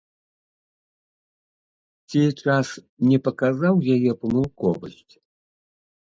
Ці час не паказаў яе памылковасць?